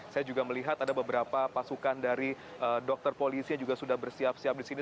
saya juga melihat ada beberapa pasukan dari dokter polisi yang juga sudah bersiap siap di sini